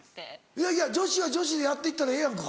いやいや女子は女子でやって行ったらええやんか。